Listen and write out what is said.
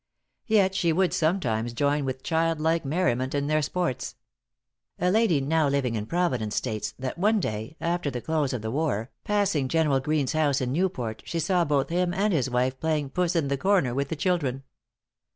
Yet she would sometimes join with child like merriment in their sports. A lady now living in Providence states, that one day, after the close of the war, passing General Greene's house in Newport, she saw both him and his wife playing "puss in the corner," with the children.